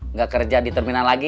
nggak kerja di terminal lagi